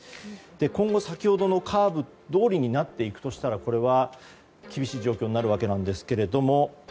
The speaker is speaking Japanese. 今後、先ほどのカーブどおりになっていくとしたらこれは厳しい状況になるわけなんですが。